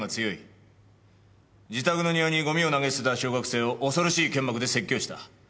自宅の庭にゴミを投げ捨てた小学生を恐ろしい剣幕で説教した。